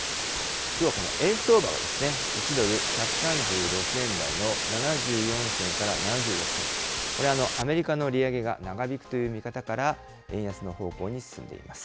きょうはこの円相場は１ドル１３６円台の７４銭から７６銭と、これ、アメリカの利上げが長引くという見方から、円安の方向に進んでいます。